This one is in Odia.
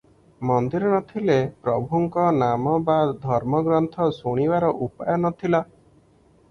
ମନ୍ଦିର ନ ଥିଲେ ପ୍ରଭୁଙ୍କ ନାମ ବା ଧର୍ମଗ୍ରନ୍ଥ ଶୁଣିବାର ଉପାୟ ନ ଥିଲା ।